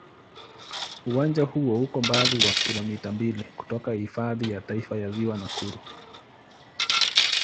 Uwanja huo uko umbali wa kilomita mbili kutoka Hifadhi ya Taifa ya Ziwa Nakuru.